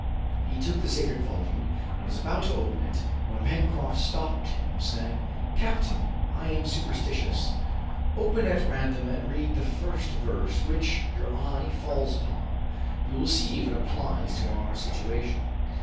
He took the sacred volume, and was about to open it, when Pencroft stopped him, saying, "Captain, I am superstitious. Open at random and read the first verse which, your eye falls upon. We will see if it applies to our situation."